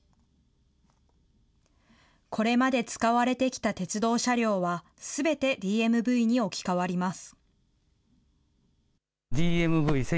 これまで使われてきた鉄道車両は、すべてＤＭＶに置き換わります。